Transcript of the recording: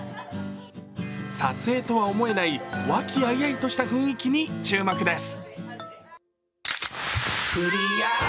撮影とは思えない、和気あいあいとした雰囲気に注目です。